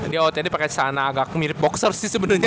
dia ootd pake sana agak mirip boxer sih sebenernya